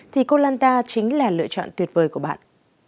thì koh lanta chính là lựa chọn tuyệt vời của bạn